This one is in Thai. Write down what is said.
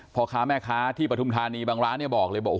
พ่อค้าแม่ค้าที่ปธุมธนีบ้างร้านบอกเลย